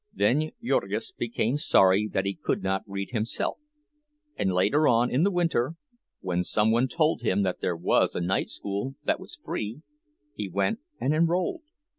Then Jurgis became sorry that he could not read himself; and later on in the winter, when some one told him that there was a night school that was free, he went and enrolled.